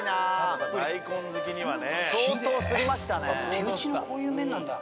手打ちのこういう麺なんだ。